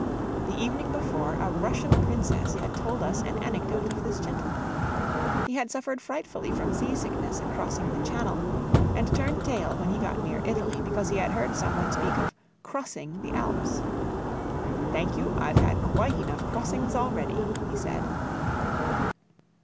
The evening before, a Russian princess had told us an anecdote of this gentleman. He had suffered frightfully from sea sickness in crossing the Channel, and turned tail when he got near Italy, because he had heard some one speak of "crossing" the Alps. "Thank you; I've had quite enough crossings already," he said.